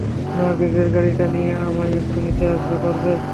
মা, গ্রেগের গাড়িটা নিয়ে আমায় একটু নিতে আসতে পারবে?